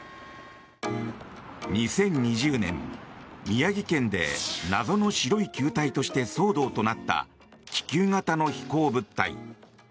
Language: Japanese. ２０２０年、宮城県で謎の白い球体として騒動となった気球型の飛行物体。